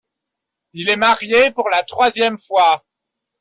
Il est marié pour la troisième fois.